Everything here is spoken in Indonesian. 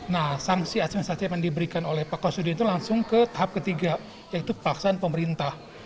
nah sanksi administratif yang diberikan oleh pak kasudin itu langsung ke tahap ketiga yaitu paksaan pemerintah